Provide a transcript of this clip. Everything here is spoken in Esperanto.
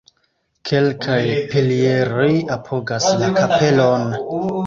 Kelkaj pilieroj apogas la kapelon.